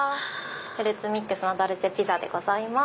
フルーツミックスのドルチェピッツァでございます。